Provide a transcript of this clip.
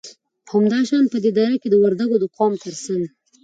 همدا شان په دې دره کې د وردگو د قوم تر څنگ